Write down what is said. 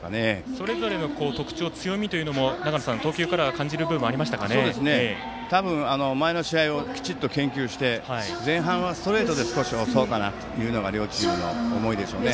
それぞれの特徴強みというのも、投球からは前の試合をきちっと研究して前半はストレートで少し押そうかなというのが両チームの思いでしょうね。